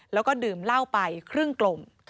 แล้วก็ดื่มเหล้าไปครึ่งกลม